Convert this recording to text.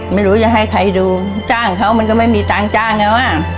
ไม่รู้จะให้ใครดูจ้างเขามันก็ไม่มีตังค์จ้างไงว่ะ